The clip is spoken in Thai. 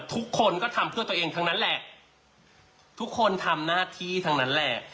ทุกคนก็ทำเพื่อตัวเองทั้งนั้นแหละทุกคนทำหน้าที่ทั้งนั้นแหละ